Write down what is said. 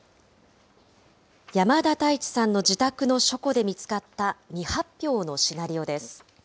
山田太一さんの自宅の書庫で見つかった未発表のシナリオです。